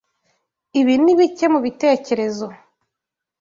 Ibi ni bike mubitekerezo.